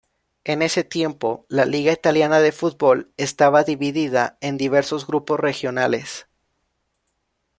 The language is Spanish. En ese tiempo, la liga italiana de fútbol estaba dividida en diversos grupos regionales.